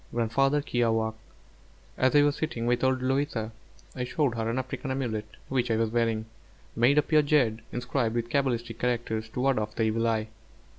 GRANDFATHER KIAWĀKQ' As I was sitting with old Louisa I showed her an African amulet which I was wearing, made of pure jade, inscribed with cabalistic characters to ward off the evil eye.